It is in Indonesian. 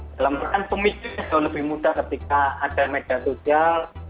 dalam pemikir jauh lebih mudah ketika ada media sosial